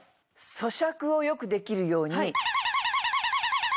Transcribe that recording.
そしゃくをよくできるように。